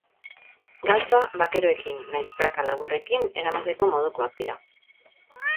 Galtza bakeroekin nahiz praka laburrekin eramateko modukoak dira.